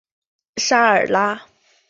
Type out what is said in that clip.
沙尔拉。